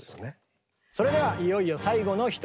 それではいよいよ最後の一人でございます。